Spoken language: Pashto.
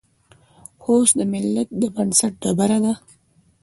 خوست د ملت د بنسټ ډبره ده.